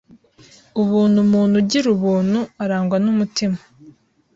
Ubuntu Umuntu ugira ubuntu arangwa n’umutima